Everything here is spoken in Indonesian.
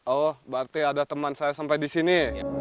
oh berarti ada teman saya sampai di sini